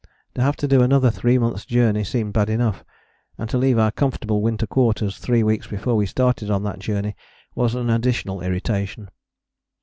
To have to do another three months' journey seemed bad enough, and to leave our comfortable Winter Quarters three weeks before we started on that journey was an additional irritation.